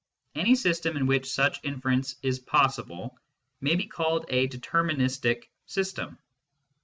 Any system in which such inference is possible may be called a " determin istic " system.